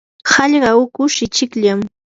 hallqa hukush ichikllam.